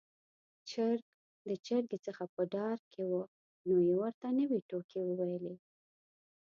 چرګ د چرګې څخه په ډار کې و، نو يې ورته نوې ټوکې وويلې.